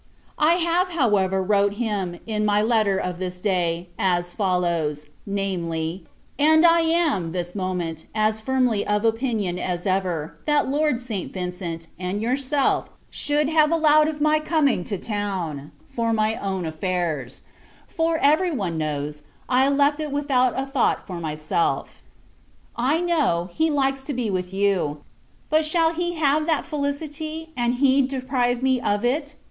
I have, however, wrote him, in my letter of this day, as follows viz. "_And I am, this moment, as firmly of opinion as ever, that Lord St. Vincent, and yourself, should have allowed of my coming to town, for my own affairs; for, every one knows, I left it without a thought for myself_." I know, he likes to be with you: but, shall he have that felicity, and he deprive me of it?